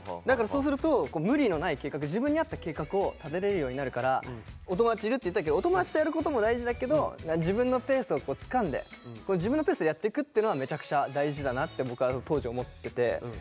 そうすると無理のない計画自分に合った計画を立てられるようになるからお友達いるって言ってたけどお友達とやることも大事だけど自分のペースをつかんで自分のペースでやっていくっていうのはめちゃくちゃ大事だなって僕は当時思ってて。